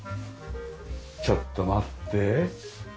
ちょっと待って。